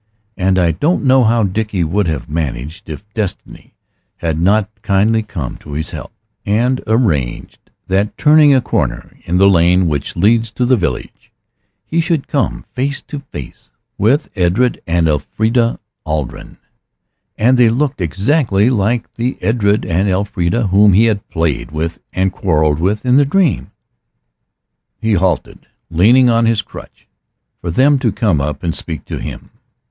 And I don't know how Dickie would have managed if Destiny had not kindly come to his help, and arranged that, turning a corner in the lane which leads to the village, he should come face to face with Edred and Elfrida Arden. And they looked exactly like the Edred and Elfrida whom he had played with and quarrelled with in the dream. He halted, leaning on his crutch, for them to come up and speak to him.